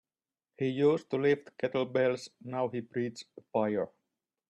He used to lift kettlebells now he breathes fire.